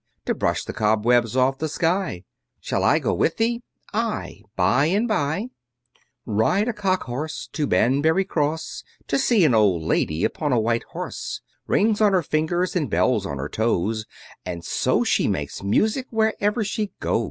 To brush the cobwebs off the sky! Shall I go with thee? Aye, by and bye. Ride a cockhorse to Banbury cross To see an old lady upon a white horse, Rings on her fingers, and bells on her toes, And so she makes music wherever she goes.